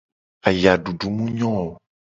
Ayadudu mu nyo o.